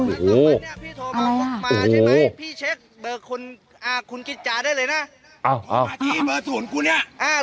โอ้โหโอ้โหอ้าวอ้าวอ้าวอ้าวอ้าวอ้าวอ้าวอ้าว